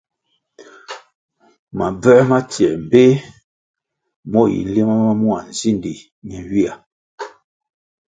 Mabvē ma tsiē mbpeh mo yi nlima ma mua nzindi nenywihya.